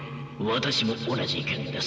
私も同じ意見です。